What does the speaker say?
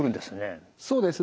そうですね。